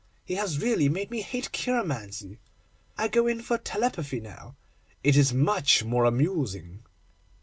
He has really made me hate cheiromancy. I go in for telepathy now. It is much more amusing.